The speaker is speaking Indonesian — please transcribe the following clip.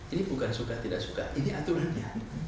ini bukan suka tidak suka ini aturannya